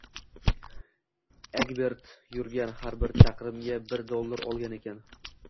Egbert yurgan har bir chaqirimiga bir dollar olgan ekan